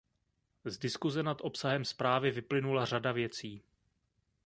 Z diskuse nad obsahem zprávy vyplynula řada věcí.